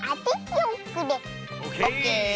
オッケー！